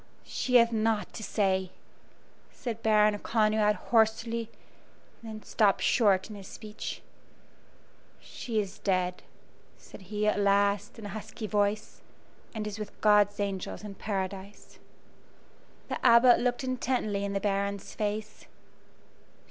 "She hath naught to say," said Baron Conrad, hoarsely, and then stopped short in his speech. "She is dead," said he, at last, in a husky voice, "and is with God's angels in paradise." The Abbot looked intently in the Baron's face.